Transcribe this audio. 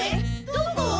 どこ？